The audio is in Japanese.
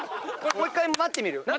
もう１回待ってみる？